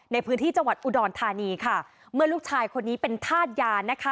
ในพื้นที่จังหวัดอุดรธานีค่ะเมื่อลูกชายคนนี้เป็นธาตุยานะคะ